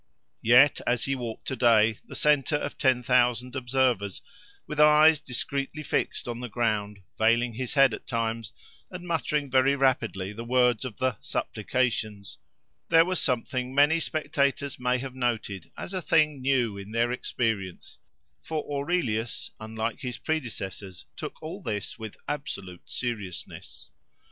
Yet, as he walked to day, the centre of ten thousand observers, with eyes discreetly fixed on the ground, veiling his head at times and muttering very rapidly the words of the "supplications," there was something many spectators may have noted as a thing new in their experience, for Aurelius, unlike his predecessors, took all this with absolute seriousness.